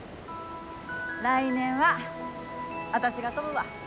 来年は私が飛ぶわ！